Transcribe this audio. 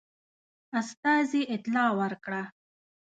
استازي اطلاع ورکړه.